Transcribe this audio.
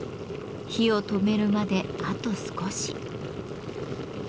火を止めるまであと少し。